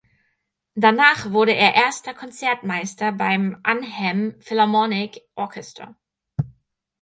Danach wurde er erster Konzertmeister beim Arnhem Philharmonic Orchestra.